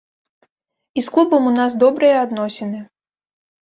І з клубам у нас добрыя адносіны.